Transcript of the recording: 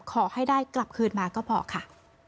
ขอให้ได้กลับคืนมาก็พอค่ะ